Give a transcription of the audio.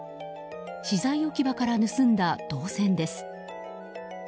資材置き場から盗んだ銅線です。